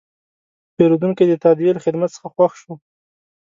پیرودونکی د تادیې له خدمت څخه خوښ شو.